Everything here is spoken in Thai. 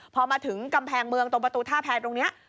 พอมาถึงกำแพงเมืองตรงประตูท่าแพรตรงนี้